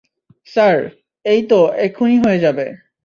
Sir, এইতো এখুনি হয়ে যাবে।